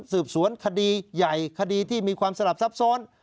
สืบสวนคดีใหญ่คดีที่มีความสลับซับซ้อน